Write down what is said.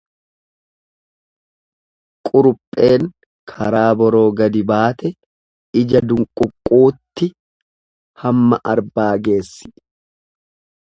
Qurupheen karaa boroo gadi baate, ija dunquqquutti hamma arbaa geessi.